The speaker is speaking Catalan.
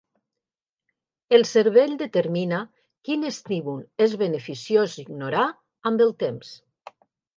El cervell determina quin estímul és beneficiós ignorar amb el temps.